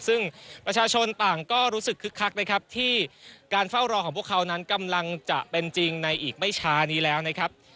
ซึ่งประชาชนต่างก็รู้สึกคึกคักนะครับที่การเฝ้ารอของพวกเขานั้นกำลังจะเป็นจริงในอีกไม่ช้านี้แล้วนะครับ